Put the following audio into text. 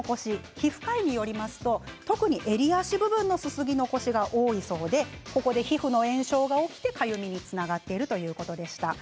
皮膚科医によりますと特に襟足部分がすすぎ残しが多いそうで皮膚の炎症が起きて、かゆみにつながっているということでした。